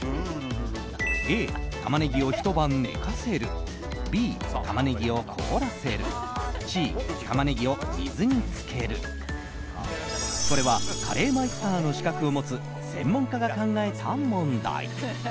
Ａ、タマネギをひと晩寝かせるＢ、タマネギを凍らせるＣ、タマネギを水に浸けるこれはカレーマイスターの資格を持つ専門家が考えた問題。